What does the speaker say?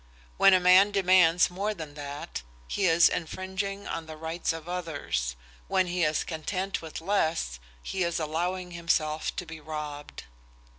When a man demands more than that, he is infringing on the rights of others; when he is content with less, he is allowing himself to be robbed."